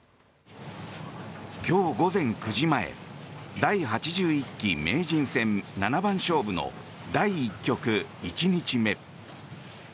今日午前９時前第８１期名人戦七番勝負の第１局１日目。